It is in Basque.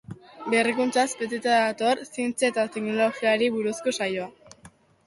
Berrikuntzaz beteta dator zientzia eta teknologiari buruzko saioa.